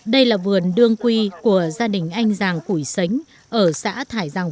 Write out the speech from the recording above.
đây là vườn đương quy của gia đình anh giàng củi xánh ở xã thải giàng